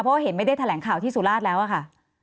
เพราะเห็นไม่ได้แถลงข่าวที่สุราชแล้วอะค่ะ